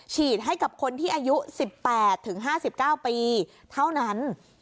ฉีดให้กับคนที่อายุ๑๘๕๙ปีเท่านั้น